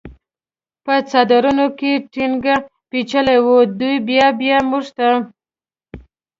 په څادرونو کې ټینګ پېچلي و، دوی بیا بیا موږ ته.